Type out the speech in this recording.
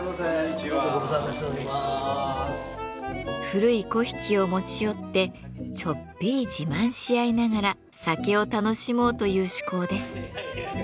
古い粉引を持ち寄ってちょっぴり自慢し合いながら酒を楽しもうという趣向です。